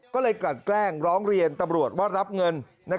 ก็เลยกลัดแกล้งร้องเรียนตำรวจว่ารับเงิน